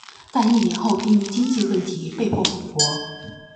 但一年后便因经济问题被迫回国。